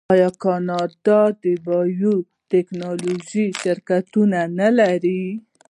آیا کاناډا د بایو ټیکنالوژۍ شرکتونه نلري؟